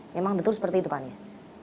memang betul seperti itu pak anies